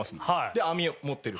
で網を持ってる。